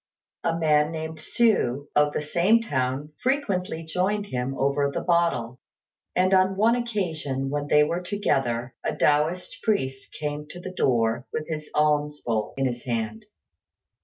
A man named Hsü, of the same town, frequently joined him over the bottle; and on one occasion when they were together a Taoist priest came to the door with his alms bowl in his hand.